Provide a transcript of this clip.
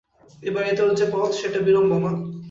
এ বাড়িতে ওর যে পদ সেটা বিড়ম্বনা।